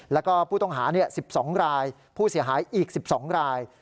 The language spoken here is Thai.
แล้วก็ผู้ต้องหา๑๒รายผู้เสียหายอีก๑๒ราย